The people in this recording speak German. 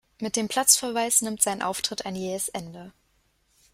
Mit dem Platzverweis nimmt sein Auftritt ein jähes Ende.